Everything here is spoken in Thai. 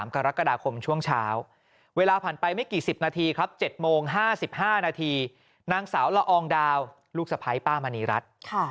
กรกฎาคมช่วงเช้าเวลาผ่านไปไม่กี่๑๐นาทีครับ๗โมง๕๕นาทีนางสาวละอองดาวลูกสะพ้ายป้ามณีรัฐ